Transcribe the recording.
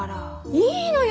いいのよ！